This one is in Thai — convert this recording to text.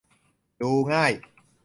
ดูง่าย